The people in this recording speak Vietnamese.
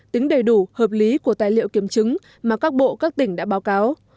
tính đầy đủ hợp lý của tài liệu kiểm chứng mà các bộ các tỉnh đã báo cáo